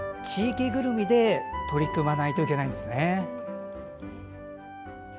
地域ぐるみでとりくまないといけないんですね。